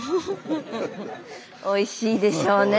おいしいでしょうね。